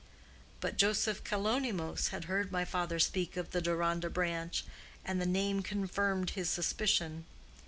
But Joseph Kalonymos had heard my father speak of the Deronda branch, and the name confirmed his suspicion.